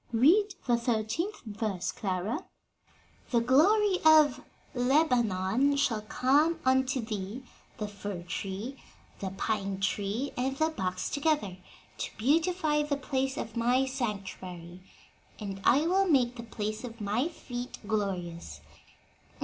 Read the thirteenth verse, Clara." I Kings v. 10. "'The glory of Lebanon shall come unto thee, the fir tree, the pine tree, and the box together, to beautify the place of my sanctuary; and I will make the place of my feet glorious.'